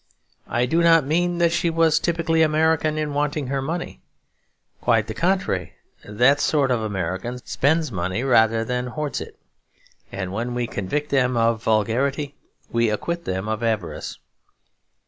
I do not mean that she was typically American in wanting her money; quite the contrary. That sort of American spends money rather than hoards it; and when we convict them of vulgarity we acquit them of avarice.